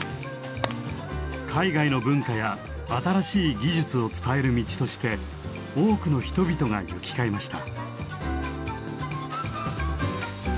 海外の文化や新しい技術を伝える道として多くの人々が行き交いました。